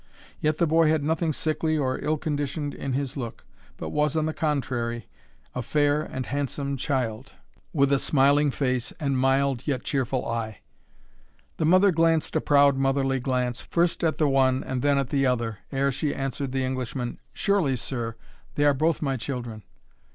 Yet the boy had nothing sickly or ill conditioned in his look, but was, on the contrary, a fair and handsome child, with a smiling face, and mild, yet cheerful eye. The mother glanced a proud motherly glance, first at the one, and then at the other, ere she answered the Englishman, "Surely, sir, they are both my children."